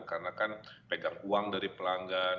karena kan pegang uang dari pelanggan